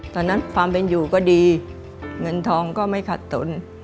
ตอนนั้นความเป็นอยู่ก็ดีเงินทองก็ไม่ขัดตน